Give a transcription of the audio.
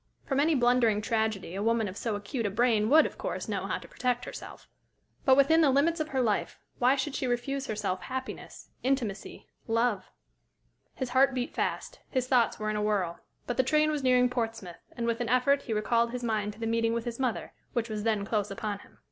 From any blundering tragedy a woman of so acute a brain would, of course, know how to protect herself. But within the limits of her life, why should she refuse herself happiness, intimacy, love? His heart beat fast; his thoughts were in a whirl. But the train was nearing Portsmouth, and with an effort he recalled his mind to the meeting with his mother, which was then close upon him.